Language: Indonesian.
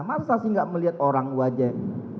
masa saksi gak melihat orang wajah